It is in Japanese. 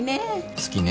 好きね